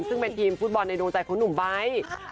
ซึ่งเป็นทีมฟุตบอลในดวงใจของหนุ่มไบท์